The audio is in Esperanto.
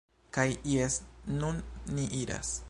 Kaj jes nun ni iras